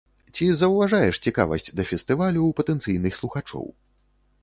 Ці заўважаеш цікавасць да фестывалю ў патэнцыйных слухачоў?